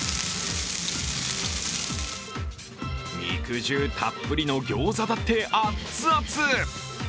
肉汁たっぷりのギョウザだってアッツアツ。